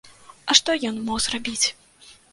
А што ён мог зрабіць?